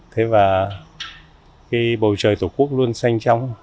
thế và bầu trời tổ quốc luôn xanh trong